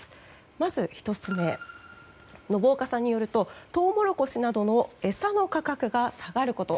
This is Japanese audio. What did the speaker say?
まず１つ目、信岡さんによるとトウモロコシなどの餌の価格が下がること。